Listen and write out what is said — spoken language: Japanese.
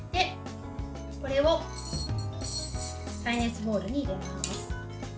これを耐熱ボウルに入れます。